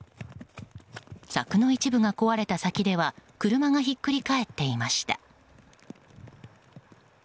柵の一部が壊れた先では車がひっくり返っていました。